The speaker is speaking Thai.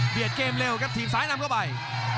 เบียดเกมเร็วครับทีมซ้ายนำเข้าไป